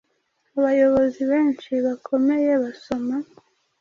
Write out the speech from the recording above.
Abayobozi benshi bakomeye basoma